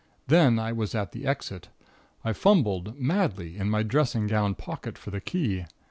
Then I was at the exit. I fumbled madly in my dressing gown pocket for the key.